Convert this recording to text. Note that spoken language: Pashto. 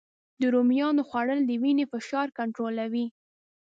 د رومیانو خوړل د وینې فشار کنټرولوي